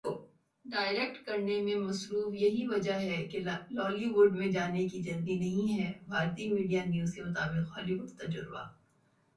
direct کرنے میں مصروف یہی وجہ ہے کہ لالی ووڈ میں جانے کی جلدی نہیں ہے بھارتی میڈیا نیوز کے مطابق ہالی ووڈ تجربہ